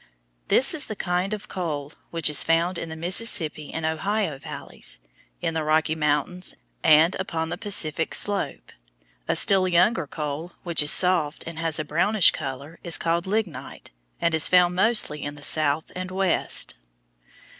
This is the kind of coal which is found in the Mississippi and Ohio valleys, in the Rocky Mountains, and upon the Pacific slope. A still younger coal, which is soft and has a brownish color, is called lignite, and is found mostly in the South and West.